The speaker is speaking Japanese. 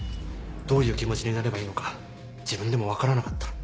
どういう気持ちになればいいのか自分でも分からなかった。